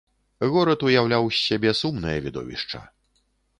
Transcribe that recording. Горад уяўляў з сябе сумнае відовішча.